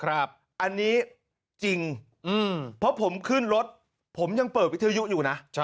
อันนี้จริงเพราะผมขึ้นรถผมยังเปิดวิทยุอยู่นะ